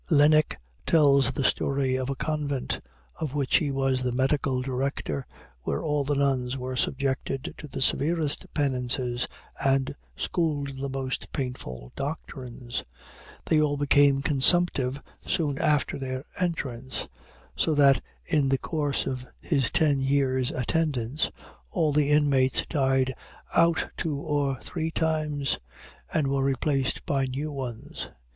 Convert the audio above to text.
Laennec tells the story of a convent, of which he was the medical director, where all the nuns were subjected to the severest penances and schooled in the most painful doctrines. They all became consumptive soon after their entrance, so that, in the course of his ten years' attendance, all the inmates died out two or three times, and were replaced by new ones.